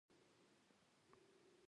کمونیزم په لومړي سر کې ځینې تیورۍ وې.